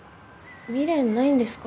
未練ないんですか？